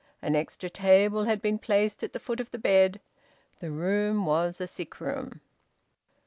An extra table had been placed at the foot of the bed. The room was a sick room.